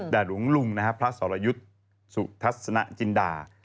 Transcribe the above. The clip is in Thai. แดดหลวงลุงนะฮะพระสรยุทธสนาจินดา